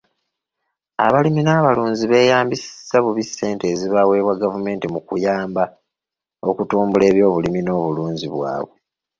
Abalimi n'abalunzi beeyambisa bubi ssente ezibaweebwa gavumenti mu kubayamba okutumbula ebyobulimi n'obulunzi bwabwe,